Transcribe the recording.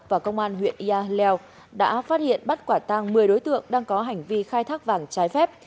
và công an huyện yà leo đã phát hiện bắt quả tang một mươi đối tượng đang có hành vi khai thác vàng trái phép